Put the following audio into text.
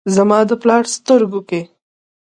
زما د پلار سترګو کې ،